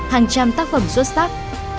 hàng trăm tác phẩm xuất sắc